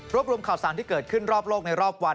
รวมรวมข่าวสารที่เกิดขึ้นรอบโลกในรอบวัน